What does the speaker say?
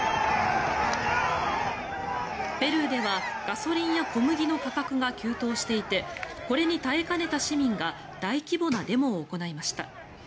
ペルーではガソリンや小麦の価格が急騰していてこれに耐えかねた市民が大規模なデモを行いました。